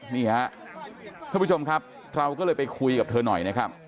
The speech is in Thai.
ท่านผู้ชมครับเราก็เลยไปคุยกับเธอหน่อยนะครับ